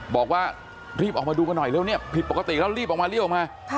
บอกว่ารีบออกมาดูกันหน่อยเร็วเนี่ยผิดปกติแล้วรีบออกมารีบออกมา